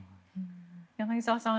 柳澤さん